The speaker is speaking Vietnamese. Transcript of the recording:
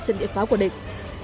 trận địa pháo của địch